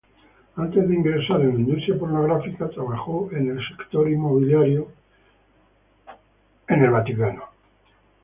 Antes de ingresar en la industria pornográfica, trabajó en el sector inmobiliario en California.